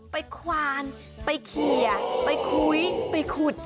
ไปควานไปเขียไปคุยไปขุด